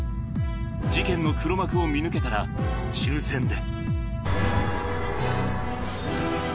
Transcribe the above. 事件の黒幕を見抜けたら、抽せんで。